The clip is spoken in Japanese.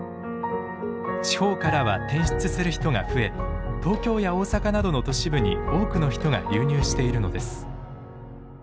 地方からは転出する人が増え東京や大阪などの都市部に多くの人が流入しているのです。